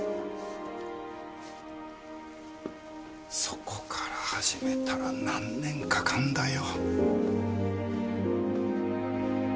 そこから始めたら何年かかんだよ。